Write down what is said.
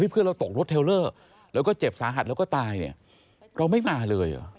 เพื่อนเราตกรถเทลเลอร์แล้วก็เจ็บสาหัสแล้วก็ตายเนี่ยเราไม่มาเลยเหรอ